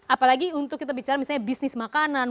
apalagi untuk kita bicara misalnya bisnis makanan